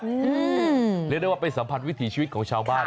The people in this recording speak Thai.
เรียกได้ว่าไปสัมผัสวิถีชีวิตของชาวบ้าน